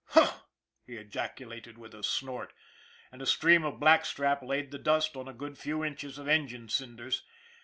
" Humph !" he ejaculated with a snort, and a stream of black strap laid the dust on a good few inches of engine cinders.